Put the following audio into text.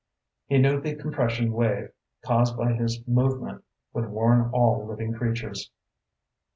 He knew the compression wave caused by his movement would warn all living creatures.